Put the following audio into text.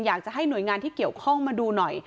อยากจะให้หน่วยงานที่เกี่ยวข้องมาดูหน่อย